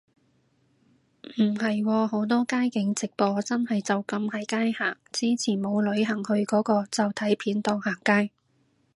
唔係喎，好多街景直播真係就噉喺街行，之前冇旅行去個個就睇片當行街